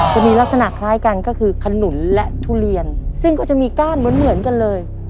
จะมีลักษณะคล้ายกันก็คือขนุนและทุเรียนซึ่งก็จะมีก้านเหมือนกันเลย